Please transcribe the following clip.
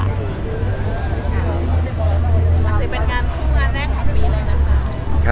อังสือเป็นงานผู้งานและนะครับ